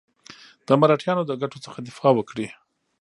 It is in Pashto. د مرهټیانو د ګټو څخه دفاع وکړي.